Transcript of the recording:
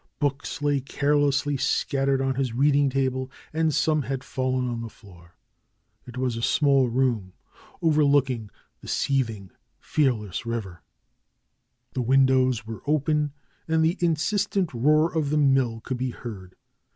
Books lay carelessly scattered on his reading table, and some had fallen on the floor. It was a small room, overlooking the seething, fear DR. SCHOLAR CRUTCH 143 less river. Tlie windows were open and the insistent roar of the mill could be heard.